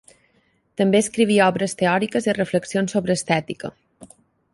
També escriví obres teòriques i reflexions sobre estètica.